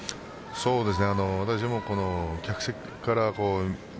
そうですね。